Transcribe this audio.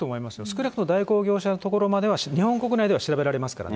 少なくとも代行業者のところまでは日本国内では調べられますから。